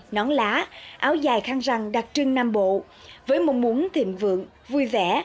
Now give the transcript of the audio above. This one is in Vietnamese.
nón lá áo dài khăn răng đặc trưng nam bộ với một mũn thịnh vượng vui vẻ